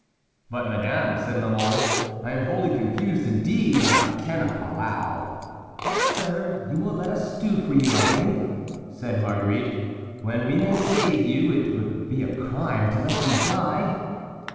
"But, madame," said La Mole, "I am wholly confused. Indeed, I cannot allow"— "But, sir, you will let us do for you, I think," said Marguerite. "When we may save you, it would be a crime to let you die."